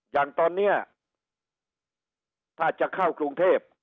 อย่างตอนนี้ถ้าจะเข้ากรุงเทพ